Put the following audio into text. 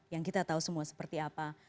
yang kita tahu semua seperti apa